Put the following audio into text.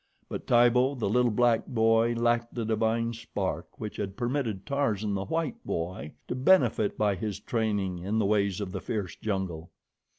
But Tibo, the little black boy, lacked the divine spark which had permitted Tarzan, the white boy, to benefit by his training in the ways of the fierce jungle.